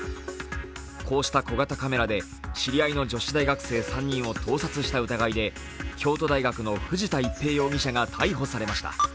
こうした小型カメラで知り合いの女子大学生３人を盗撮した疑いで京都大学の藤田逸平容疑者が逮捕されました。